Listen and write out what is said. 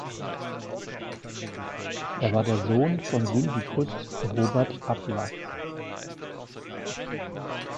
Er war der Sohn von Syndikus Robert Ablaß.